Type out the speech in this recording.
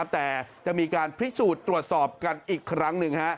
แต่จะมีการพิสูจน์ตรวจสอบกันอีกครั้งหนึ่ง